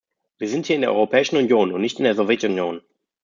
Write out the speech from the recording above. Wir sind hier in der Europäischen Union, und nicht in der Sowjetunion.